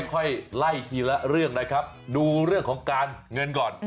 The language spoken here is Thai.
ค่อยไล่ทีละเรื่องนะครับดูเรื่องของการเงินก่อน